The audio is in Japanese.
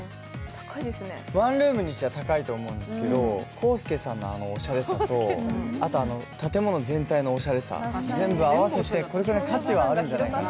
ワンルームにしては高いと思うんですけどコウスケさんのあのおしゃれさと、建物全体のおしゃれさ、全部合わせてこれぐらい価値はあるんじゃないかな。